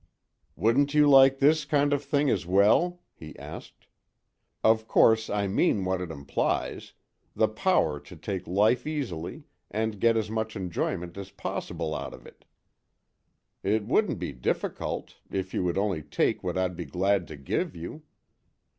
"Wouldn't you like this kind of thing as well?" he asked. "Of course, I mean what it implies the power to take life easily and get as much enjoyment as possible out of it. It wouldn't be difficult, if you would only take what I'd be glad to give you."